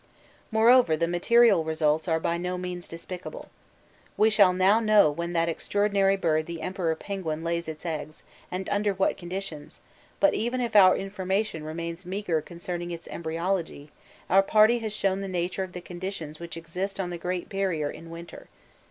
Moreover the material results are by no means despicable. We shall know now when that extraordinary bird the Emperor penguin lays its eggs, and under what conditions; but even if our information remains meagre concerning its embryology, our party has shown the nature of the conditions which exist on the Great Barrier in winter.